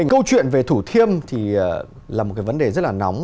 câu chuyện về thủ thiêm thì là một cái vấn đề rất là nóng